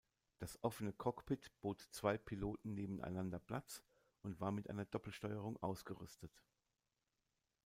Das offene Cockpit bot zwei Piloten nebeneinander Platz und war mit einer Doppelsteuerung ausgerüstet.